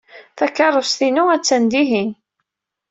Takeṛṛust-inu attan dihin.